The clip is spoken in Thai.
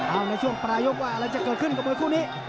เอาในช่วงปลายกว่าอะไรจะเกิดขึ้นกับมวยคู่นี้